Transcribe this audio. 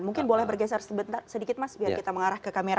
mungkin boleh bergeser sedikit mas biar kita mengarah ke kamera